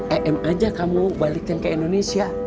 em aja kamu balikin ke indonesia